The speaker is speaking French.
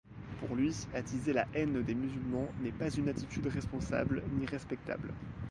Pour lui, attiser la haine des musulmans n'est pas une attitude responsable, ni respectable.